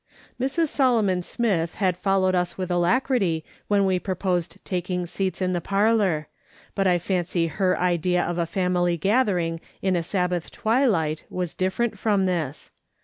Mrs. Solomon Smith had followed us with alacrity when we proposed taking seats in the parlour ; but I fancy her idea of a family gathering in a Sabbath twilight was different from this.